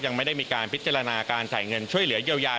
ยังไม่ได้มีการพิจารณาการใส่เงินช่วยเหลือเยียวยา